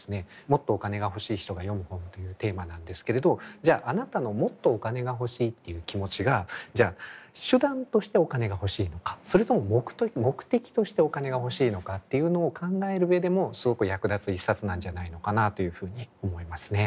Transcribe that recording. もっとお金が欲しい人が読む本というテーマなんですけれどじゃああなたのもっとお金が欲しいっていう気持ちがじゃあ手段としてお金が欲しいのかそれとも目的としてお金が欲しいのかっていうのを考える上でもすごく役立つ一冊なんじゃないのかなというふうに思いますね。